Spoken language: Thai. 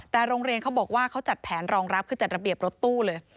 แต่โรงเรียนเขาบอกว่าเขาจัดแผนรองรับคือจัดระเบียบรถตู้เลย